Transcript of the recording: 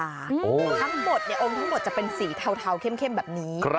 ทั้งหมดองค์ทั้งหมดจะเป็นสีเทาเข้มแบบนี้